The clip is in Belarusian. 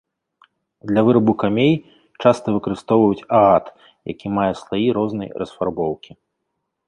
Для вырабу камей часта выкарыстоўваюць агат, які мае слаі рознай расфарбоўкі.